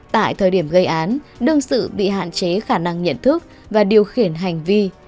tại thời điểm gây án đương sự bị hạn chế khả năng nhận thức và điều khiển hành vi